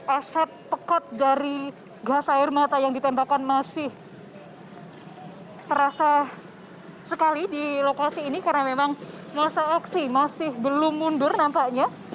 asap pekat dari gas air mata yang ditembakkan masih terasa sekali di lokasi ini karena memang masa aksi masih belum mundur nampaknya